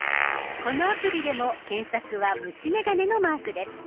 このアプリでも検索は虫眼鏡のマークです。